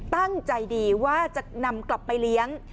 ตั้งใจดีว่าจะนำกลับไปเลี้ยง